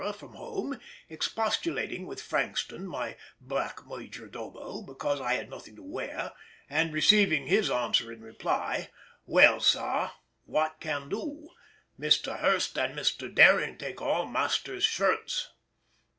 from home, expostulating with Frankston, my black major domo, because I had nothing to wear, and receiving his answer in reply—"Well, sar, what can do? Mr. Hurst and Mr. Doering take all master's shirts."